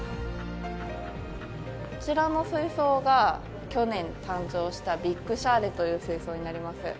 こちらの水槽が去年誕生したビッグシャーレという水槽になります。